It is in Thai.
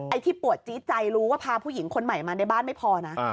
ที่ปวดจี๊ดใจรู้ว่าพาผู้หญิงคนใหม่มาในบ้านไม่พอนะ